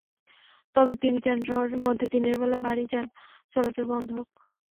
তবে তিনি চান, শহরের মধ্যে দিনের বেলা ভারী যান চলাচল বন্ধ হোক।